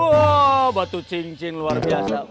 wah batu cincin luar biasa